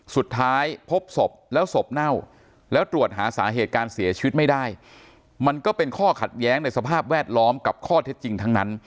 สุดท้ายพบศพแล้วศพเน่าแล้วตรวจหาสาเหตุการเสียชีวิตไม่ได้มันก็เป็นข้อขัดแย้งในสภาพแวดล้อมกับข้อเท็จจริงทั้งนั้น